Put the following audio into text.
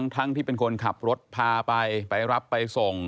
ที่เป็นคนขับรถพาไปไปรับไปส่ง